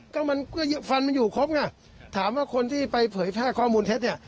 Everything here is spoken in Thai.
ก็มันก็ฟันมันอยู่ครบไงถามว่าคนที่ไปเผยแพร่ข้อมูลเท็จเนี่ย